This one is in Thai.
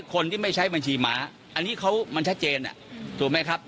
คนที่ไม่ใช้บัญชีม้าอันนี้เขามันชัดเจนถูกไหมครับ